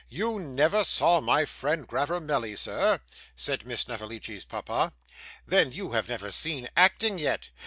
'You never saw my friend Glavormelly, sir!' said Miss Snevellicci's papa. 'Then you have never seen acting yet.